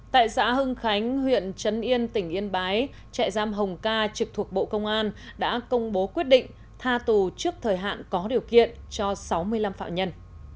tại xã hưng khánh huyện trấn yên tỉnh yên bái trại giam hồng ca trực thuộc bộ công an đã công bố quyết định tha tù trước thời hạn có điều kiện cho sáu mươi năm phạm nhân